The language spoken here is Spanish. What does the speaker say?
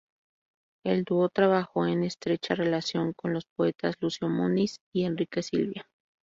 El dúo trabajó en estrecha relación con los poetas Lucio Muniz y Enrique Silva.